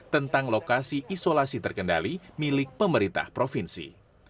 tentang lokasi isolasi terkendali milik pemerintah provinsi